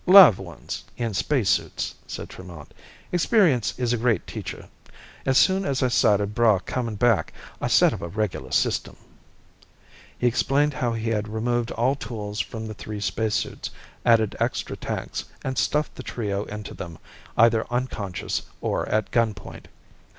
"Live ones, in spacesuits," said Tremont. "Experience is a great teacher. As soon as I sighted Braigh coming back, I set up a regular system." He explained how he had removed all tools from the three spacesuits, added extra tanks, and stuffed the trio into them, either unconscious or at gunpoint.